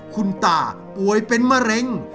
คุณตาป่วยเป็นมะเร็ง